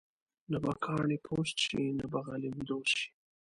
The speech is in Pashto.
نه به کاڼې پوست شي ، نه به غلیم دوست شي.